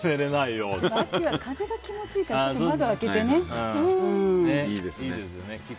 秋は風が気持ちいいから窓開けてね。